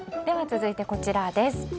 続いて、こちらです。